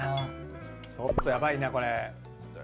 ちょっとやばいなこれ。